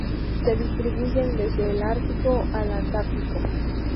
Se distribuyen desde el Ártico al Antártico.